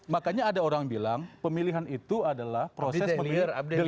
makanya ada orang bilang pemilihan itu adalah proses memilih the leather devil